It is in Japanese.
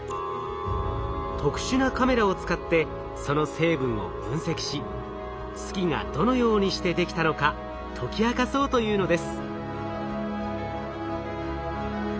特殊なカメラを使ってその成分を分析し月がどのようにしてできたのか解き明かそうというのです。